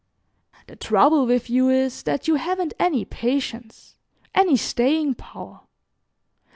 "The trouble with you is that you haven't any patience, any staying power.